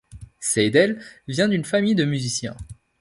Seidel vient d'une famille de musiciens.